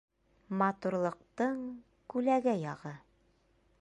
Матурлыҡтың күләгә яғы